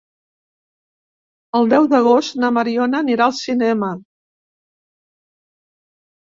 El deu d'agost na Mariona anirà al cinema.